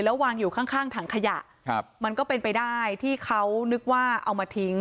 แล้ววางอยู่ข้างข้างถังขยะครับมันก็เป็นไปได้ที่เขานึกว่าเอามาทิ้ง